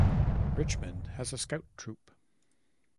Richmond has a Scout Troop.